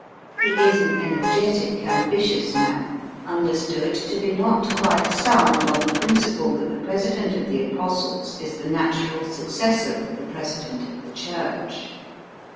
He is an energetic, ambitious man, understood to be not quite sound on the principle that the President of the Apostles is the natural Digitized by VjOOQIC 104 EAST BY WEST. successor of the President of the Church.